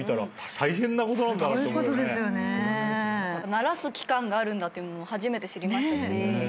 慣らす期間があるんだって初めて知りました。